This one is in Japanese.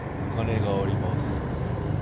お金があります。